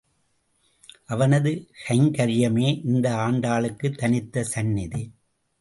அவனது கைங்கர்யமே இந்த ஆண்டாளுக்கு தனித்த சந்நிதி.